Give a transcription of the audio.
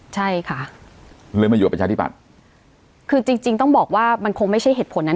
ใช่ค่ะเลยมาอยู่กับประชาธิบัติคือจริงจริงต้องบอกว่ามันคงไม่ใช่เหตุผลนั้น